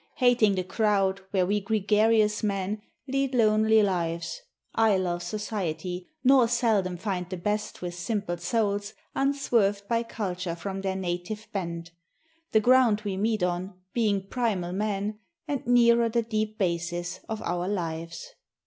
Hating the crowd, where we gregarious men Lead lonely lives, I love society, Nor seldom find the best with simple souls Unswerved by culture from their native bent, The ground we meet on being primal man And nearer the deep bases of our lives.